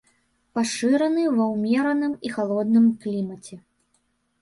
Пашыраны ва ўмераным і халодным клімаце.